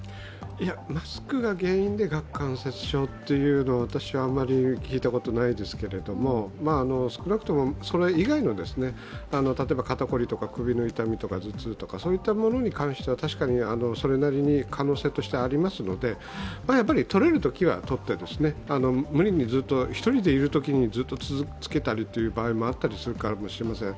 マスクが原因で顎関節症というのは私はあまり聞いたことがないですけれども、少なくともそれ以外の例えば肩こりとか首の痛みとか頭痛とか、そういったものに関しては確かにそれなりに可能性としてはありますので、やっぱりとれるときはとって無理にずっと、一人でいるときにずっとつけたりという場合もあったりするかもしれません。